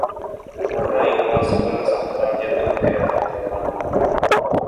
Быны юлға сығыр саҡта детдом келәтенән алғайнылар.